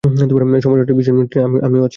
সমস্যাটা হচ্ছে, মিশনের নেতৃত্বে আমিও আছি!